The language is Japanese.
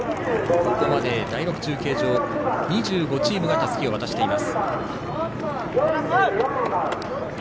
ここまで第６中継所２５チームがたすきを渡しています。